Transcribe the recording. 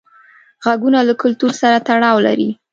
غږونه له کلتور سره تړاو لري.